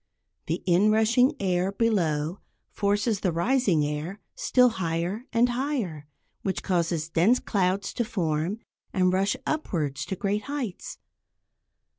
The inrushing air below forces the rising air still higher and higher, which causes dense clouds to form and rush upwards to great heights.